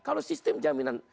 kalau sistem jaminan